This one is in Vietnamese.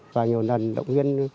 và nhiều lần động viên